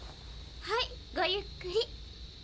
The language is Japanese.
はいごゆっくり。